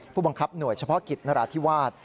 ผู้บังคับหน่วยเฉพาะกิจนราธิวาส